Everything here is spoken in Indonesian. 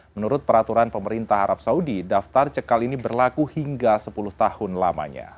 menurut peraturan pemerintah arab saudi daftar cekal ini berlaku hingga sepuluh tahun lamanya